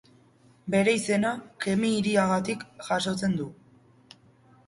Bere izena Kemi hiriagatik jasotzen du.